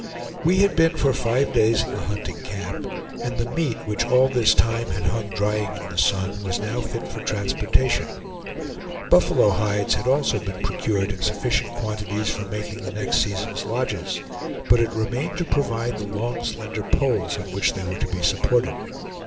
We had been for five days in the hunting camp, and the meat, which all this time had hung drying in the sun, was now fit for transportation. Buffalo hides also had been procured in sufficient quantities for making the next season's lodges; but it remained to provide the long slender poles on which they were to be supported.